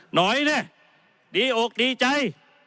หน่อยเนี่ยดีอกดีใจ